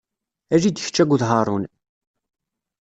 Ali-d kečč akked Haṛun.